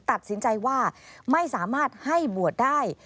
ตัดสินใจว่าไม่สามารถให้บวชได้